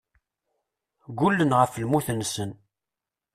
Ggullen ɣef lmut-nsen.